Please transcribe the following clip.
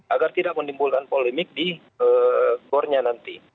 agar tidak menimbulkan polemik di gore nya nanti